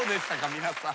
皆さん。